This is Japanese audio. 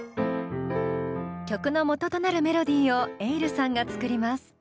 曲の元となるメロディーをｅｉｌｌさんが作ります。